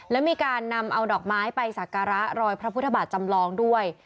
และมีการนำเอาดอกไม้ไปสักการะรอยพระพุทธบาทจำลองด้วย